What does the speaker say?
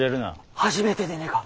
初めてでねえか？